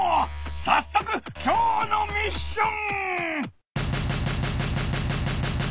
さっそくきょうのミッション！